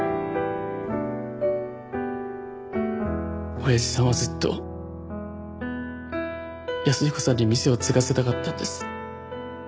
おやじさんはずっと安彦さんに店を継がせたかったんです。